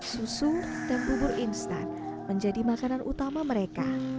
susu dan bubur instan menjadi makanan utama mereka